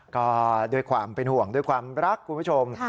ก็ด้วยความเป็นห่วงด้วยความรักคุณผู้ชม